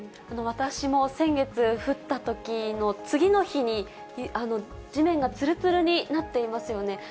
私も先月、降ったときの次の日に、地面がつるつるになっていますよね。